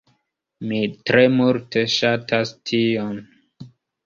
Mi tre multe ŝatas tion.